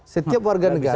setiap warga negara